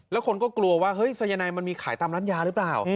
แล้วคนก็กลัวว่าเฮ้ยสายนายมันมีขายตามร้านยาหรือเปล่า